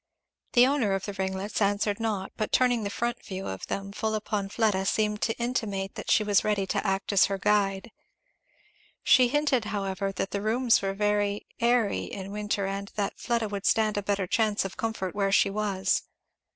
The owner of the ringlets answered not, but turning the front view of them full upon Fleda seemed to intimate that she was ready to act as her guide. She hinted however that the rooms were very airy in winter and that Fleda would stand a better chance of comfort where she was.